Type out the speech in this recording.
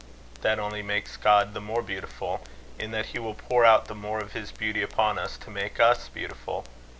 "That only makes God the more beautiful in that he will pour out the more of his beauty upon us to make us beautiful.